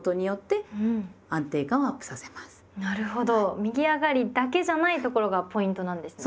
右上がりだけじゃないところがポイントなんですね。